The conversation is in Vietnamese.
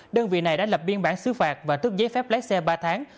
đơn vị này đã lập biên bản xứ phạt và tước giấy phép lái xe ba tháng